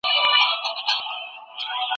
شاعرانه تعبیر تل سم نه وي.